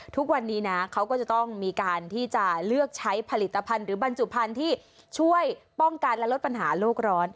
ทุกวันนี้นะเขาก็จะต้องมีการที่จะเลือกใช้ผลิตภัณฑ์หรือบรรจุภัณฑ์ที่ช่วยป้องกันและลดปัญหาโลกร้อน